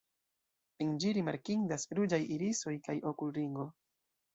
En ĝi rimarkindas ruĝaj iriso kaj okulringo.